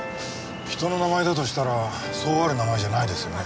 人の名前だとしたらそうある名前じゃないですよね。